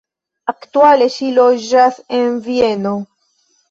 Aktuale ŝi loĝas en Vieno.